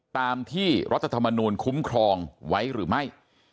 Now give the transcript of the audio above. ตามที่รัฐธรรมนูลคุ้มครองไว้หรือไม่